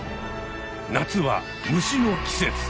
夏は虫の季節。